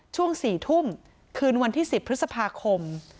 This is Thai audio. ช่วง๔ทุ่มคืนวันที่๑๐พฤษภาคม